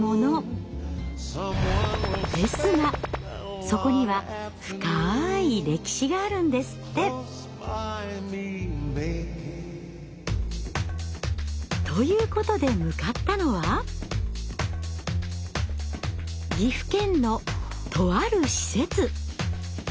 ですがそこには深い歴史があるんですって。ということで向かったのは岐阜県のとある施設。